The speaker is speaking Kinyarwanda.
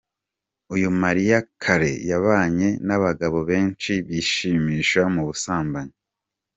Uyu Mariah Carey yabanye n’abagabo benshi bishimisha mu busambanyi.